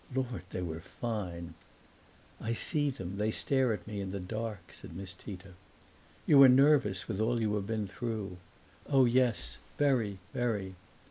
Lord, they were fine!" "I see them they stare at me in the dark!" said Miss Tita. "You are nervous, with all you have been through." "Oh, yes, very very!"